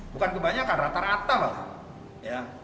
bukan kebanyakan rata rata bang